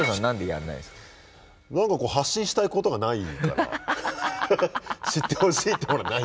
何か発信したいことがないから。